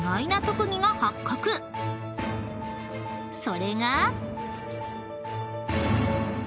［それが］